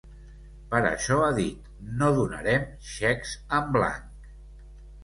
Per això ha dit: ‘No donarem xecs en blanc.’